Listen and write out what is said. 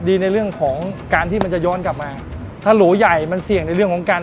ในเรื่องของการที่มันจะย้อนกลับมาถ้าโหลใหญ่มันเสี่ยงในเรื่องของการ